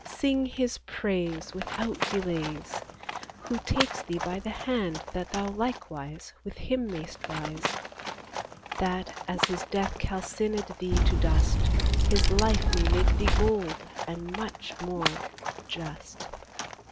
Sing His praise Without delays, Who takes thee by the hand, that thou likewise With Him mayst rise; That, as His death calcined thee to dust His life may make thee gold, and, much more, just.